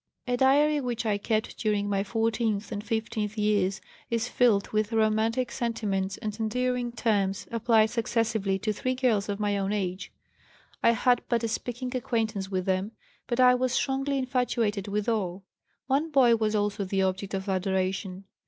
"A diary which I kept during my fourteenth and fifteenth years is filled with romantic sentiments and endearing terms applied successively to three girls of my own age. I had but a speaking acquaintance with them, but I was strongly infatuated with all. One boy was also the object of adoration.